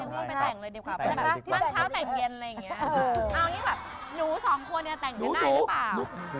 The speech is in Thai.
มั่นเช้าแต่งเย็นอะไรอย่างนี้เอางี้แบบหนูสองคนเนี่ยแต่งกันได้หรือเปล่า